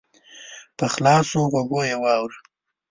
په خلاصو غوږو یې واوره !